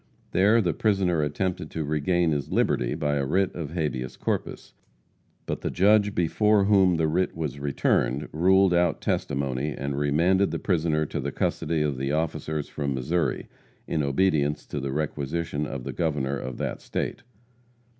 There the prisoner attempted to regain his liberty by a writ of habeas corpus. But the judge before whom the writ was returned ruled out testimony, and remanded the prisoner to the custody of the officers from Missouri, in obedience to the requisition of the governor of that state.